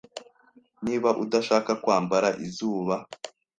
Niba udashaka kwambara izuba,